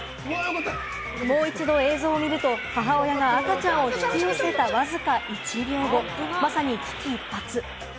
もう一度、映像を見ると母親が赤ちゃんを引き寄せたわずか１秒後、まさに危機一髪。